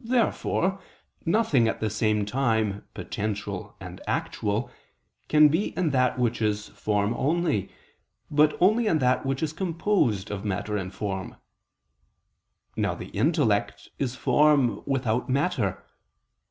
Therefore nothing at the same time potential and actual can be in that which is form only, but only in that which is composed of matter and form. Now the intellect is form without matter.